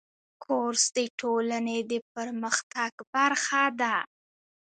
کورس د ټولنې د پرمختګ برخه ده.